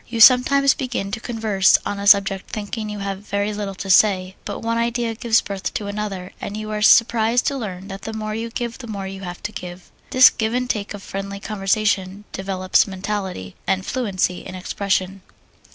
You sometimes begin to converse on a subject thinking you have very little to say, but one idea gives birth to another, and you are surprised to learn that the more you give the more you have to give. This give and take of friendly conversation develops mentality, and fluency in expression.